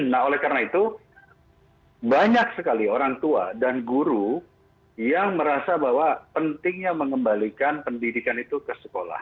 nah oleh karena itu banyak sekali orang tua dan guru yang merasa bahwa pentingnya mengembalikan pendidikan itu ke sekolah